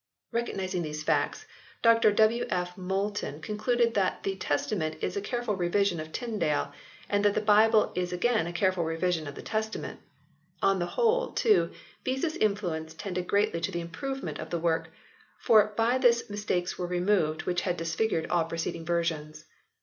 Recognising these facts Dr W. F. Moulton concluded that the Testament is a careful revision of Tyndale, and that the Bible is again a careful revision of the Testament ; on the whole, too, Beza s influence tended greatly to the improvement of the work, for by this mistakes were removed which had disfigured all preceding versions.